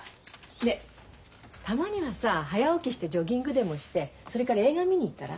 ねったまにはさ早起きしてジョギングでもしてそれから映画見に行ったら？